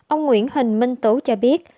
ông nguyễn huỳnh minh tú cho biết